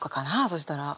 そしたら。